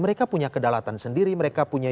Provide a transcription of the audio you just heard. mereka punya kedalatan sendiri mereka punya